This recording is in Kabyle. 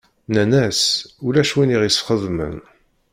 Nnan-as: Ulac win i ɣ-isxedmen.